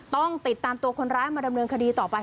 ต้องติดตามตัวคนร้ายมาดำเนินคดีต่อไป